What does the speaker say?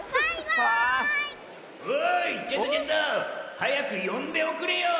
はやくよんでおくれよ。